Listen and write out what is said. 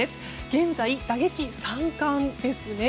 現在、打撃三冠ですね。